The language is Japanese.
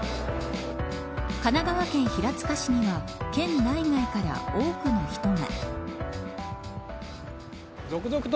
神奈川県平塚市には県内外から多くの人が。